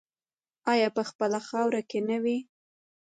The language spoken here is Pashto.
آیا په خپله خاوره کې نه وي؟